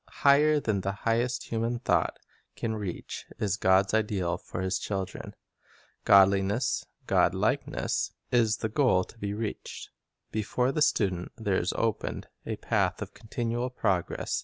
Higher than the highest human thought can reach Tbe is God's ideal for His children. Godliness — godlikeness ideal — is the goal to be reached. Before the student there is opened a path of continual progress.